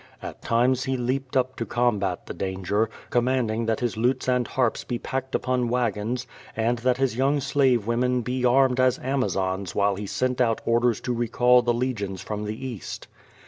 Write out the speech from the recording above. At times he leaped up to combat the danger, commanding that his lutes and harps be packed upon wagons, and that his young slave women be armed as Amazons while he sent out orders to recall the legions from the east.